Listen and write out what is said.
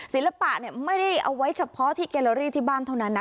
ศิลปะไม่ได้เอาไว้เฉพาะที่เกลอรี่ที่บ้านเท่านั้นนะ